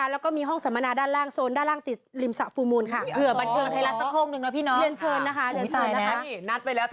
แล้วก็รู้สึกว่าเพลงมันขลับเคลื่อนไปด้วย